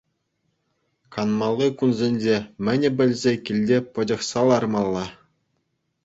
Канмалли кунсенче мӗне пӗлсе килте пӑчӑхса лармалла.